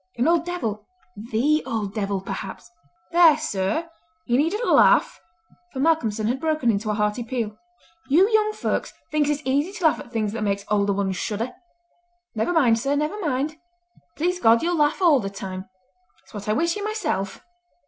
"An old devil! The old devil, perhaps. There! sir, you needn't laugh," for Malcolmson had broken into a hearty peal. "You young folks thinks it easy to laugh at things that makes older ones shudder. Never mind, sir! never mind! Please God, you'll laugh all the time. It's what I wish you myself!"